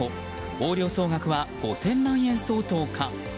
横領総額は５０００万円相当か。